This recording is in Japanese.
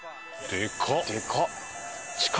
でかっ！